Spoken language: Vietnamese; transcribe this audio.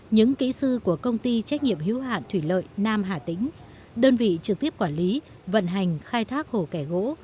những kỹ sư của công ty trách nhiệm hữu hạn thủy lợi nam hà tĩnh đơn vị trực tiếp quản lý vận hành khai thác hồ kẻ gỗ